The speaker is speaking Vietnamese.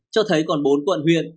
cho thấy còn bốn quận huyện